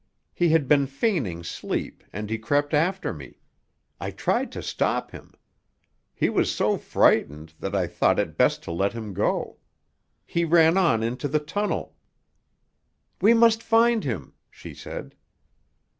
He had been feigning sleep, and he crept after me. I tried to stop him. He was so frightened that I thought it best to let him go. He ran on into the tunnel " "We must find him," she said.